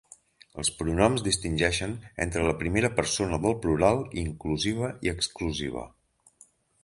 Els pronoms distingeixen entre la primera persona del plural inclusiva i exclusiva.